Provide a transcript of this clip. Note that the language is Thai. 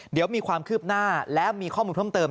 เดี๋ยวมีความคืบหน้าและมีข้อมูลเพิ่มเติม